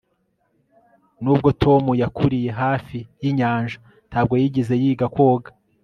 s] nubwo tom yakuriye hafi yinyanja, ntabwo yigeze yiga koga